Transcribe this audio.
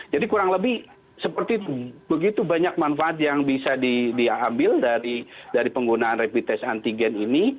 jadi kurang lebih seperti begitu banyak manfaat yang bisa diambil dari penggunaan rapid test antigen ini